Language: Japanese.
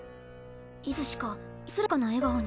いつしか安らかな笑顔に。